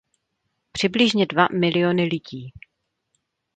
Přibližně dva miliony lidí.